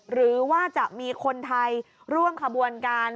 หรือว่าจะมีคนไทยร่วมขบวนการ